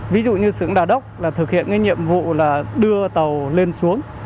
ví dụ như sưởng đa đốc thực hiện nhiệm vụ là đưa tàu lên xuống